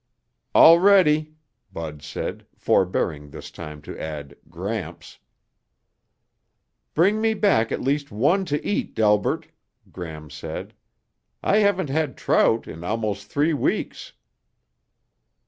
"All ready," Bud said, forebearing this time to add "Gramps." "Bring me back at least one to eat, Delbert," Gram said. "I haven't had trout in almost three weeks."